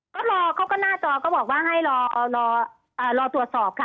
ก็รอเขาก็หน้าจอก็บอกว่าให้รอตรวจสอบค่ะ